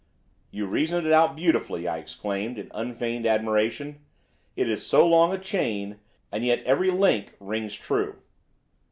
"You reasoned it out beautifully," I exclaimed in unfeigned admiration. "It is so long a chain, and yet every link rings true."